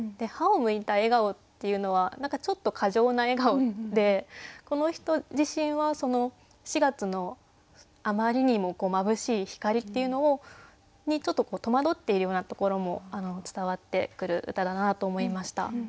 「歯を剥いた笑顔」っていうのは何かちょっと過剰な笑顔でこの人自身はその四月のあまりにもまぶしい光っていうのにちょっと戸惑っているようなところも伝わってくる歌だなと思いました。